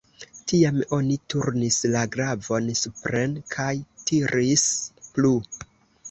Tiam oni turnis la glavon supren kaj tiris plu.